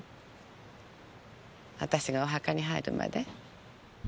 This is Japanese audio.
あたしがお墓に入るまで？